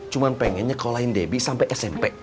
cuma pengen nyekolahin debbie sampai smp